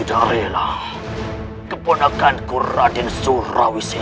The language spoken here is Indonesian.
jangan lupa like share dan subscribe